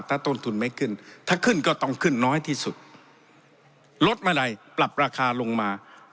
ถ้าต้นทุนไม่ขึ้นถ้าขึ้นก็ต้องขึ้นน้อยที่สุดลดเมื่อไหร่ปรับราคาลงมา